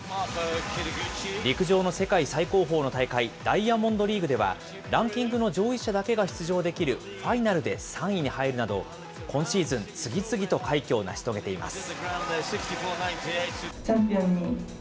陸上の世界最高峰の大会、ダイヤモンドリーグでは、ランキングの上位者だけが出場できるファイナルで３位に入るなど、今シーズン次々と快挙を成し遂げています。